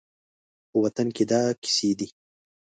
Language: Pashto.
په وطن کې دا کیسې دي